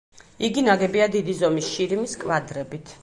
იგი ნაგებია დიდი ზომის შირიმის კვადრებით.